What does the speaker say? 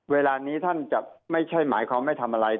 เวลานี้ท่านจะไม่ใช่หมายความไม่ทำอะไร